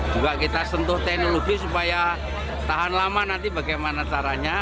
juga kita sentuh teknologi supaya tahan lama nanti bagaimana caranya